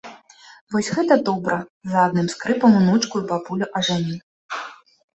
Вось гэта добра, за адным скрыпам унучку і бабулю ажаню.